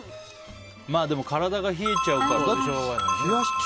でも、体が冷えちゃうからしょうがない。